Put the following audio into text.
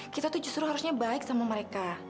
kita tuh justru harusnya baik sama mereka